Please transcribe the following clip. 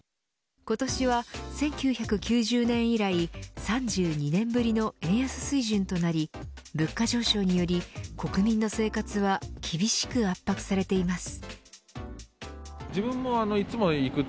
今年は１９９０年以来３２年ぶりの円安水準となり物価上昇により国民の生活は厳しく圧迫されています。